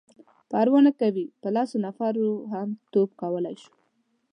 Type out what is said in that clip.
_پروا نه کوي،. په لسو نفرو هم توپ کولای شو.